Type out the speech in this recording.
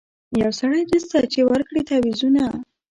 یو سړی نسته چي ورکړي تعویذونه